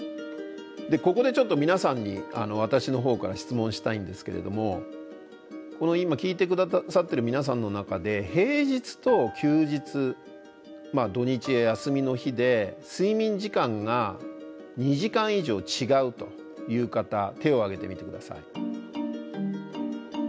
ここでちょっと皆さんに私のほうから質問したいんですけれども今聞いて下さってる皆さんの中で平日と休日土日や休みの日で睡眠時間が２時間以上違うという方手を挙げてみて下さい。